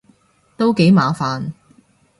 都幾麻煩